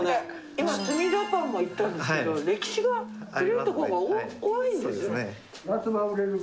今住田パンも行ったんですけど歴史が古いとこが多いんですよ。